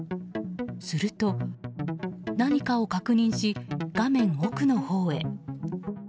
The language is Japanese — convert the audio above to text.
すると何かを確認し画面奥のほうへ。